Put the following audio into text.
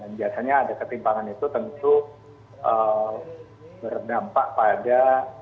dan biasanya ada ketimpangan itu tentu berdampak pada